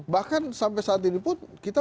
bahkan sampai saat ini pun kita